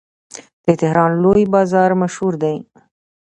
د تهران لوی بازار مشهور دی.